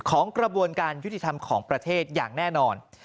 ของกระบวนการยุติธรรมของประเทศอย่างแน่นอน